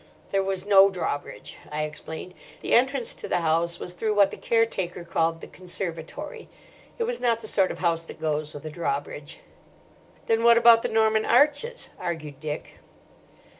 "There was no drawbridge," I explained. "The entrance to the house was through what the caretaker called the conservatory. It was not the sort of house that goes with a drawbridge." "Then what about the Norman arches?" argued Dick.